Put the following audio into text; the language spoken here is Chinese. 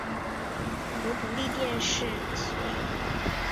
由独立电视公司所有。